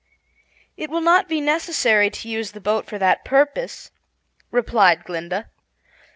"It will not be necessary to use the boat for that purpose," replied Glinda.